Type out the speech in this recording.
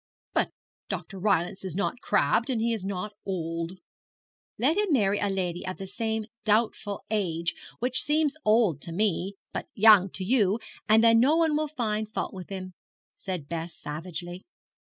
'But Dr. Rylance is not crabbed, and he is not old.' 'Let him marry a lady of the same doubtful age, which seems old to me, but young to you, and then no one will find fault with him,' said Bess, savagely.